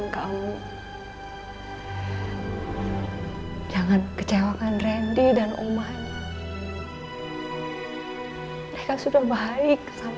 kau gak usah nangis lagi